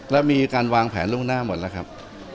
แล้วมีการวางแผนล่วงหน้าหมดแล้วครับ